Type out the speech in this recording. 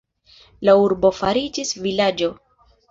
La urbo fariĝis vilaĝo.